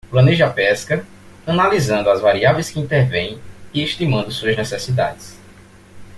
Planeje a pesca, analisando as variáveis que intervêm e estimando suas necessidades.